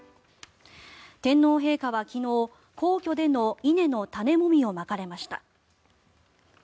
天皇陛下は昨日皇居での稲の種もみをまかれました。